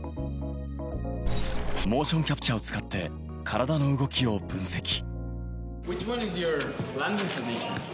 モーションキャプチャを使って体の動きを分析。